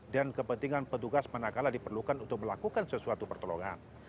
dan petugas mana kala diperlukan untuk melakukan sesuatu pertolongan